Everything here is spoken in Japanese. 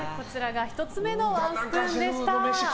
こちらが１つ目のワンスプーンでした。